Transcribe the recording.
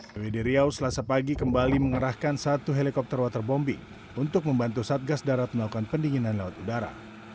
pbd riau selasa pagi kembali mengerahkan satu helikopter waterbombing untuk membantu satgas darat melakukan pendinginan lewat udara